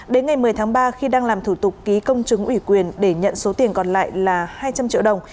đến ngày một mươi tháng ba khi đang làm thủ tục ký công chứng ủy quyền để nhận số tiền còn lại là hai trăm linh triệu đồng